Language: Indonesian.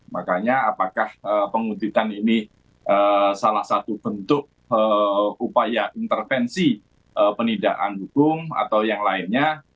makanya apakah penguntitan ini salah satu bentuk upaya intervensi penindakan hukum atau yang lainnya